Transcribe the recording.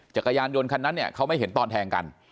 จักรยานยนต์คันนั้นเนี่ยเขาไม่เห็นตอนแทงกัน